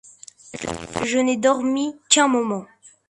Je n’ai dormi qu’un moment